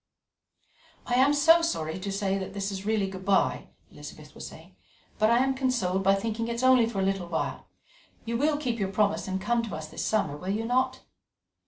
"I am so sorry that this is really good bye," Elizabeth was saying, "but I am consoled by thinking it is only for a little while. You will keep your promise and come to us this summer, will you not?"